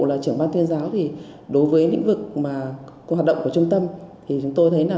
là trưởng ban tuyên giáo thì đối với lĩnh vực mà hoạt động của trung tâm thì chúng tôi thấy là